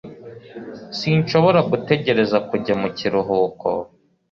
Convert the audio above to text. sinshobora gutegereza kujya mu kiruhuko